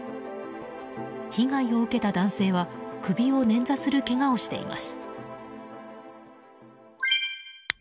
被害を受けた男性は首をねんざするけがをしています。